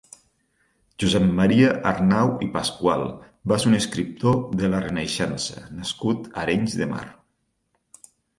Josep Maria Arnau i Pascual va ser un escriptor de la Renaixença nascut a Arenys de Mar.